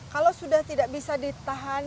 kalau sudah tidak bisa ditahan